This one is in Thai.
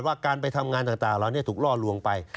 ว่าการไปทำงานต่างเหล่านี้ถูกล่อลวงไป